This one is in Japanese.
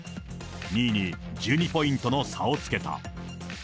２位に１２ポイントの差をつけた。